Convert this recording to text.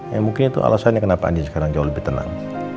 ya mungkin itu alasannya kenapa anies sekarang jauh lebih tenang